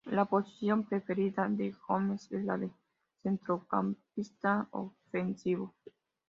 La posición preferida de Gomes es la de centrocampista ofensivo.